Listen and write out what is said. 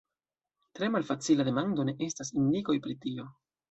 Tre malfacila demando ne estas indikoj pri tio.